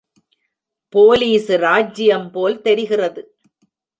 Police இராஜ்யம் போல் தெரிகிறது.